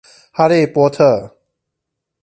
哈利波特